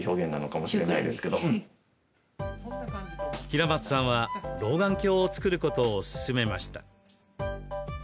平松さんは老眼鏡を作ることを勧めました。